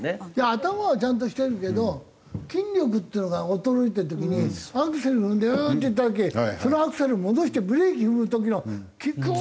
頭はちゃんとしてるけど筋力っていうのが衰えてる時にアクセル踏んでグーン！っていった時そのアクセル戻してブレーキ踏む時のグーン！